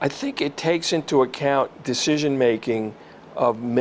memiliki alasan tentang oranges dan kebarusan remes